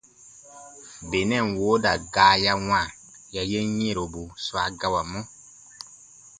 Benɛn wooda gaa ya wãa ya yen yɛ̃robu swa gawamɔ.